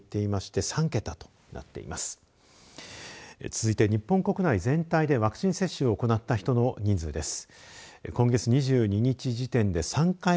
続いて日本国内全体でワクチン接種を行った人の人数です。